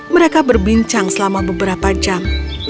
mereka berbincang selama beberapa jam